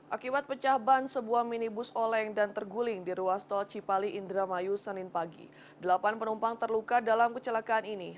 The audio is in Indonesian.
akibat pecah ban sebuah minibus oleng dan terguling di ruas tol cipali indramayu senin pagi